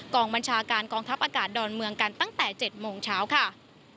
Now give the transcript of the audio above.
บัญชาการกองทัพอากาศดอนเมืองกันตั้งแต่๗โมงเช้าค่ะ